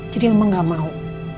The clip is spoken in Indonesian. jadi mama gak mau